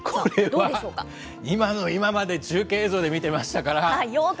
これは、今の今まで中継映像で見てましたから。